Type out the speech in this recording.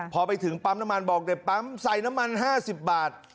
พอไปถึงปั๊มน้ำมันบอกเด็กปั๊มใส่น้ำมัน๕๐บาท